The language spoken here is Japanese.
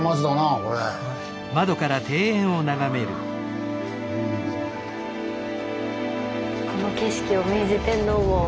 この景色を明治天皇も。